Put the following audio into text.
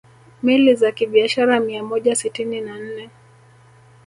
Meli za kibiashara mia moja sitini na nne